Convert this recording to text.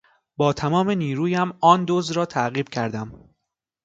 با تمام نیرویم آن دزد را تعقیب کردم.